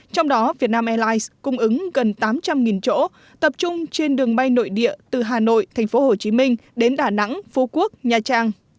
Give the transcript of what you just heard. trong đó việt nam airlines cung ứng gần tám trăm linh chỗ tập trung trên đường bay nội địa từ hà nội thành phố hồ chí minh đến đà nẵng phú quốc nha trang